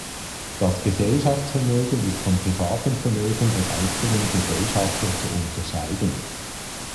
Das Gesellschaftsvermögen ist vom privaten Vermögen der einzelnen Gesellschafter zu unterscheiden.